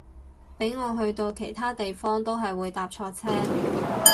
俾我去到其他地方都係會搭錯車